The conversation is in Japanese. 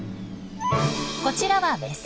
こちらはメス。